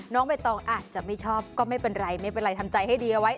น้องใบตองอาจจะไม่ชอบก็ไม่เป็นไรไม่เป็นไรทำใจให้ดีเอาไว้